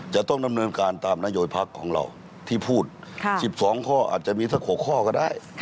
จะต้องดำเนินการตามนโยบายพักของเราที่พูด๑๒ข้ออาจจะมีสัก๖ข้อก็ได้